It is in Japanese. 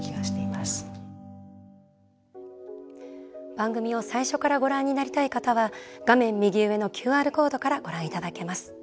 番組を最初からご覧になりたい方は画面右上のＱＲコードからご覧いただけます。